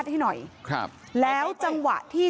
เจ้าแม่น้ำเจ้าแม่น้ำ